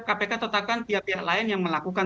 kpk tetapkan pihak pihak lain yang melakukan